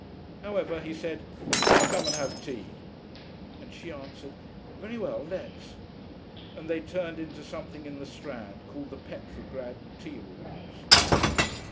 However, he said, 'Let's come and have tea,' and she answered, 'Very well, let's,' and they turned into something in the Strand called the Petrograd Tea Rooms.